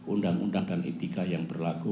undang undang dan etika yang berlaku